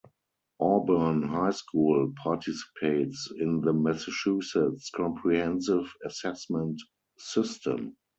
Auburn High School participates in the Massachusetts Comprehensive Assessment System.